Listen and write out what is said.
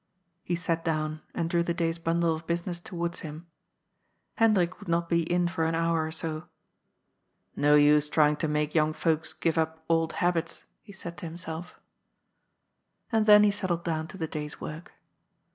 He sat down and drew the day's bundle of business towards him. Hendrik would not be in for an hour or so. " No use trying to make young folks give up old habits," he said to himself. 104 GOD'S FOOL. And then he settled down to the day's work.